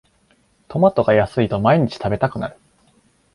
トマトが安いと毎日食べたくなる